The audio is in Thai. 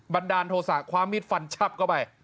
บันดาลโทสะความมีดฟันชับเข้าไป